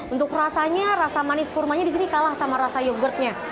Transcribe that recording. untuk rasanya rasa manis kurmanya di sini kalah sama rasa yogurtnya